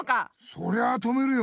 そりゃあ止めるよ。